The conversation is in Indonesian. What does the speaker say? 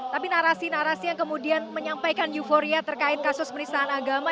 tapi narasi narasi yang kemudian menyampaikan euforia terkait kasus penistaan agama